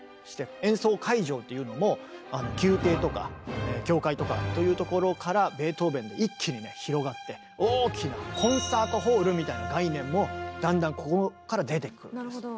演奏会場っていうのも宮廷とか教会とかというところからベートーベンで一気にね広がって大きなコンサートホールみたいな概念もだんだんここから出てくるんです。